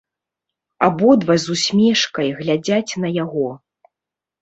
Абодва з усмешкай глядзяць на яго.